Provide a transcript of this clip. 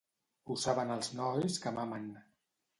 Ho saben els nois que mamen.